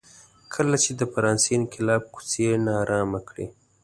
کله چې د فرانسې انقلاب کوڅې نا ارامه کړې.